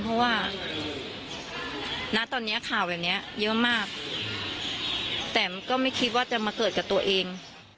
เพราะว่าณตอนนี้ข่าวแบบนี้เยอะมากแต่มันก็ไม่คิดว่าจะมาเกิดกับตัวเอง